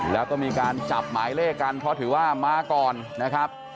แล้วก็มีการจับหมายเลขกันเพราะถือว่ามาก่อนนะครับ